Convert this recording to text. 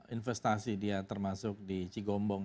investasi dia termasuk di cigombong